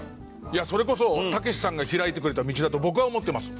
いやそれこそたけしさんが開いてくれた道だと僕は思ってます